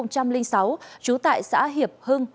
trú tại xã hiệp hưng